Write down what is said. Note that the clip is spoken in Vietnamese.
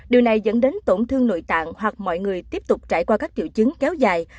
điều này dẫn đến tổn thương nội tạng hoặc mọi người tiếp tục trải qua các triệu chứng kéo dài